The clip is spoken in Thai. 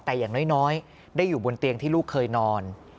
แต่อย่างน้อยได้อยู่บนเตียงที่ลูกเคยนอน